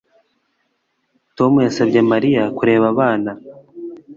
Tom yasabye Mariya kureba abana